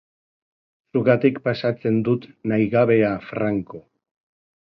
Zugatik pasatzen dut nahigabea franko.